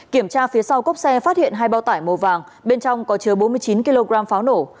kiểm tra phía sau cốp xe phát hiện hai bao tải màu vàng bên trong có chứa bốn mươi chín kg pháo nổ